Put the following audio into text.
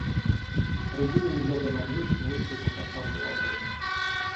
Рябинин, глядя на дверь, с улыбкой покачал головой.